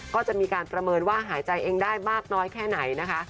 ก็จะมีการประเมินว่าหายใจเองได้มากน้อยแค่ไหนนะคะ